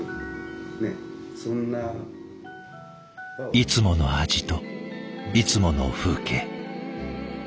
いつもの味といつもの風景。